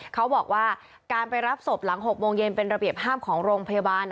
เขาบอกว่าการไปรับศพหลัง๖โมงเย็นเป็นระเบียบห้ามของโรงพยาบาล